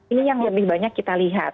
ini yang lebih banyak kita lihat